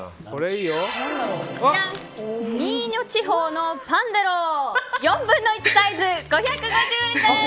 ミーニョ地方のパォンデロー４分の１サイズ５５０円です。